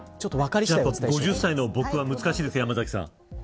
５０歳の僕は難しいですか山崎さん。